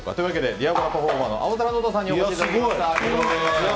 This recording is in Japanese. ディアボロパフォーマーの青宙ノートさんにお越しいただきました。